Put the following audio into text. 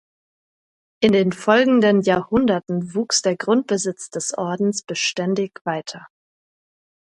In den folgenden Jahrhunderten wuchs der Grundbesitz des Ordens beständig weiter.